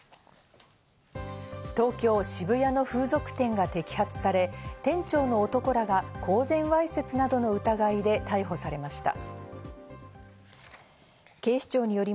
東京・渋谷の風俗店が摘発され、店長の男らが公然わいせつなどの疑いで逮捕されました。